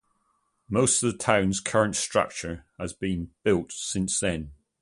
Most of the town's current structure has been built since then.